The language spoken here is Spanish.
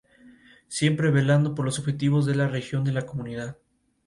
Cada centro de azufre es piramidal, y está conectado a tres centros de molibdeno.